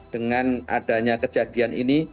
dengan adanya kejadian ini